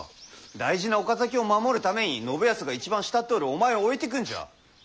大事な岡崎を守るために信康が一番慕っておるお前を置いてくんじゃ。